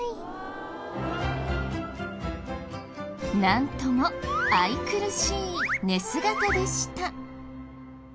なんとも愛くるしい寝姿でした。